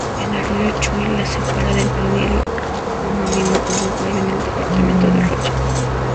El arroyo Chuy la separa del balneario homónimo uruguayo en el departamento de Rocha.